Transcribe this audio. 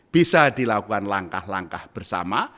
bisa dilakukan langkah langkah bersama